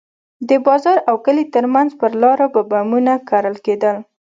د بازار او کلي ترمنځ پر لارو به بمونه کرل کېدل.